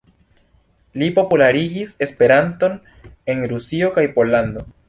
Li popularigis Esperanton en Rusio kaj Pollando.